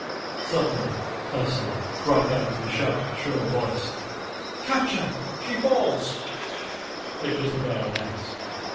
Suddenly Ursela cried out in a sharp, shrill voice, "Catch her, she falls!" It was the Baroness.